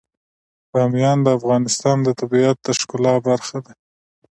بامیان د افغانستان د طبیعت د ښکلا برخه ده.